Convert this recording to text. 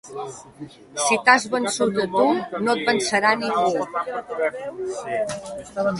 Si t'has vençut a tu, no et vencerà ningú.